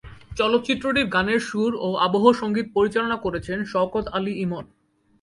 চলচ্চিত্রটির গানের সুর ও আবহ সঙ্গীত পরিচালনা করেছেন শওকত আলী ইমন।